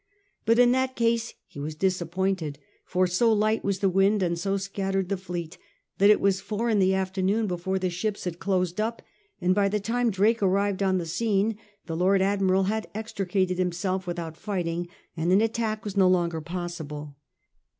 But in that case he was disappointed, for so light was the wind, and so scattered the fleet, that it was four in the afternoon before the ships had closed up, and by the time Drake arrived on the scene the Lord Admiral had extricated himself without fighting, and an attack was no longer possible.